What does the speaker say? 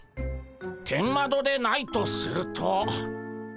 天窓でないとすると。